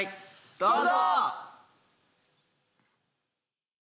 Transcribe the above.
どうぞ！